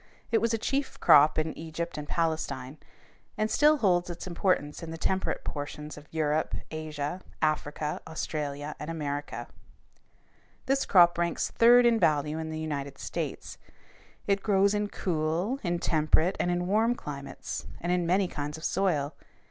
It was a chief crop in Egypt and Palestine, and still holds its importance in the temperate portions of Europe, Asia, Africa, Australia, and America. [Illustration: FIG. 192. A HAND] [Illustration: FIG. 193. WHEAT HEADS] This crop ranks third in value in the United States. It grows in cool, in temperate, and in warm climates, and in many kinds of soil.